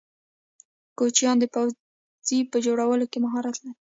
کوچیان د پوڅې په جوړولو کی مهارت لرې.